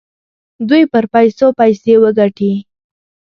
دوی پر پیسو پیسې وګټي.